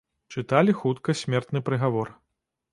Чыталі хутка смертны прыгавор.